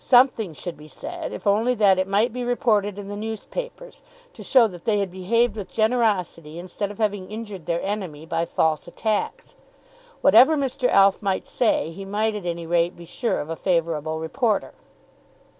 Something should be said, if only that it might be reported in the newspapers, to show that they had behaved with generosity, instead of having injured their enemy by false attacks. Whatever Mr. Alf might say, he might at any rate be sure of a favourable reporter.